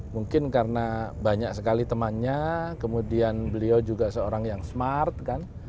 mungkin karena banyak sekali temannya kemudian beliau juga seorang yang smart kan